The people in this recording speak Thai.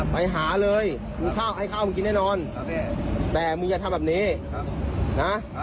ไปหาเลยให้ข้าวมึงกินได้นอนแต่มึงอย่าทำแบบนี้นะ